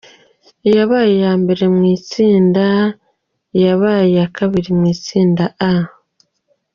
Iyabaye iya mbere mu itsinda B Vs Iyabaye iya kabiri mu itsinda A.